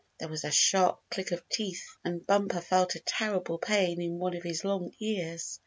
There was a sharp click of teeth, and Bumper felt a terrible pain in one of his long ears.